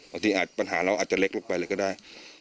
ปัญหาเราอาจจะเล็กลงไปเลยก็ได้